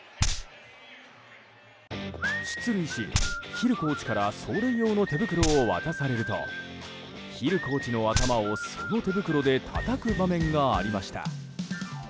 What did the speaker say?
出塁し、ヒルコーチから走塁用の手袋を渡されるとヒルコーチの頭をその手袋でたたく場面がありました。